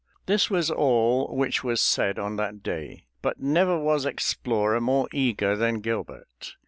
This was all which was said on that day, but never was explorer more eager than Gilbert.